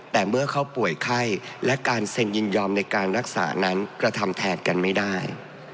แต่เมื่อเขาป่วยไข้และการเซ็นยินยอมในการรักษานั้นกระทำแทนกันไม่ได้